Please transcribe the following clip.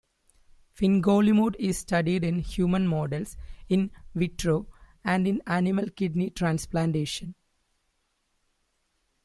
Fingolimod is studied in human models "in vitro" and in animal kidney transplantation.